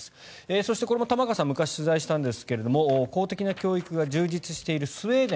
そして、こちら昔、玉川さんが取材したんですが公的な教育が充実しているスウェーデン。